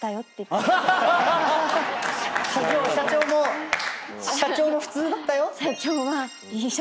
社長社長も社長も普通だったよって。